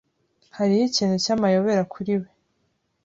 Hariho ikintu cyamayobera kuri we.